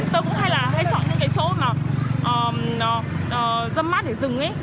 tôi cũng hay chọn những chỗ mà dâm mát để dừng